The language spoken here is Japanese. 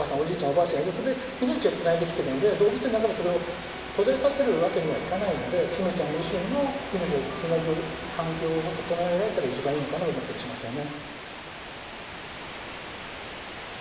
おばあちゃんがいることで命をつないできているので動物園の中でそれを途絶えさせるわけにはいかないので媛ちゃん自身の命をつなぐ環境を整えられたら一番いいのかなと思ったりしますよね。